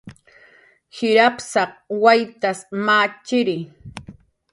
Jir apsaq waytas machiri